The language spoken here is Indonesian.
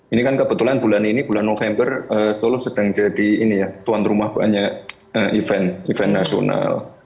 ini kan kebetulan bulan ini bulan november solo sedang jadi ini ya tuan rumah banyak event event nasional